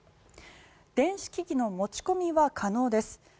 電子機器の持ち込みは可能です